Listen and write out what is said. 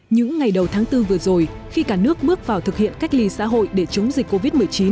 những ngày đầu tháng bốn vừa rồi khi cả nước bước vào thực hiện cách ly xã hội để chống dịch covid một mươi chín